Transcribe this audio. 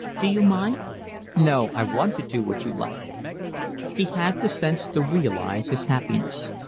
"D'you mind?" "No, I want to do what you like." He had the sense to realise his happiness.